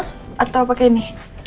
hah atau pakai ini